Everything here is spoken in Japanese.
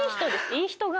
いい人顔。